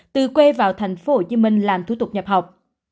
từ quê vào tp hcm làm thủ tục nhập học